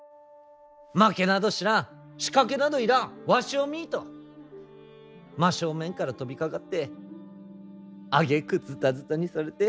負けなど知らん仕掛けなど要らんわしを見い！と真正面から飛びかかってあげくずたずたにされて。